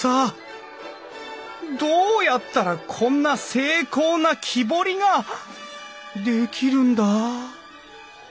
どうやったらこんな精巧な木彫りができるんだ？